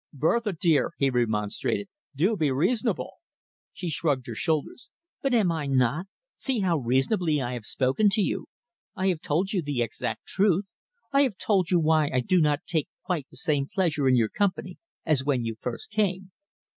"Bertha, dear," he remonstrated, "do be reasonable." She shrugged her shoulders. "But am I not? See how reasonably I have spoken to you. I have told you the exact truth. I have told you why I do not take quite that same pleasure in your company as when you first came."